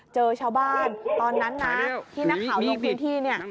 เจอชาวบ้านตอนนั้นนะที่นักข่าวลงพื้นที่เนี่ย